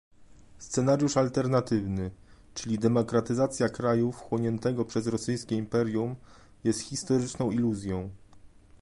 Scenariusz alternatywny - czyli demokratyzacja kraju wchłoniętego przez rosyjskie imperium - jest historyczną iluzją